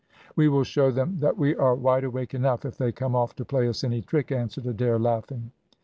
"We will show them that we are wide awake enough if they come off to play us any trick," answered Adair, laughing.